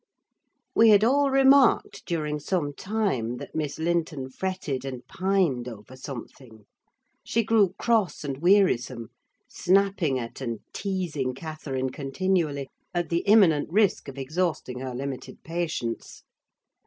We had all remarked, during some time, that Miss Linton fretted and pined over something. She grew cross and wearisome; snapping at and teasing Catherine continually, at the imminent risk of exhausting her limited patience.